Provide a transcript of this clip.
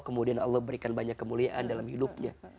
kemudian allah berikan banyak kemuliaan dalam hidupnya